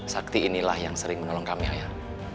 sakti inilah yang sering menolong kami ayah